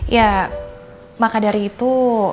ya maka dari itu